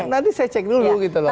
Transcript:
nanti saya cek dulu gitu loh